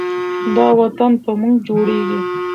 دا وطن په موږ جوړیږي.